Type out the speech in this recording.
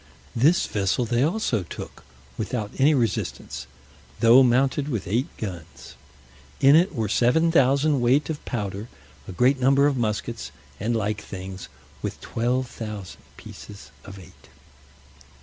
This vessel they also took, without any resistance, though mounted with eight guns. In it were 7,000 weight of powder, a great number of muskets, and like things, with 12,000 pieces of eight.